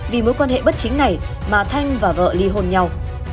vì mối quan hệ bất chính này mà thanh và vợ ly hôn nhau